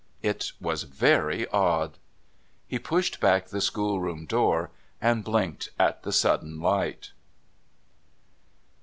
It was very odd. He pushed back the schoolroom door and blinked at the sudden light.